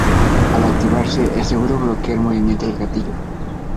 Al activarse, el seguro bloquea el movimiento del gatillo.